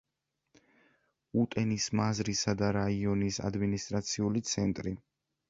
უტენის მაზრისა და რაიონის ადმინისტრაციული ცენტრი.